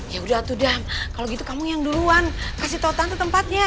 ya udah atuh dam kalau gitu kamu yang duluan kasih tahu tante tempatnya